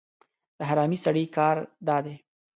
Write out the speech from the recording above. د حرامي سړي کار دا دی